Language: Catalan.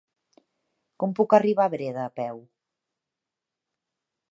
Com puc arribar a Breda a peu?